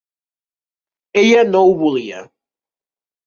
Ella no ho volia.